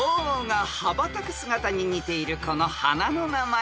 ［鳳凰が羽ばたく姿に似ているこの花の名前］